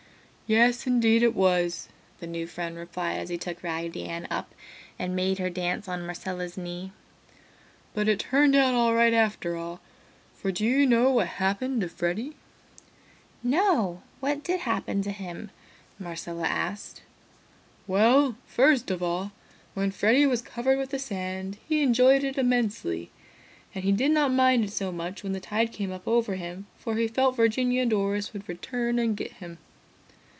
"Yes, indeed it was!" the new friend replied as he took Raggedy Ann up and made her dance on Marcella's knee. "But it turned out all right after all, for do you know what happened to Freddy?" "No, what did happen to him?" Marcella asked. "Well, first of all, when Freddy was covered with the sand, he enjoyed it immensely. And he did not mind it so much when the tide came up over him, for he felt Virginia and Doris would return and get him.